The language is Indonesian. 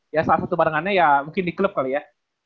ya salah satu barangannya ya mungkin di klub kali ya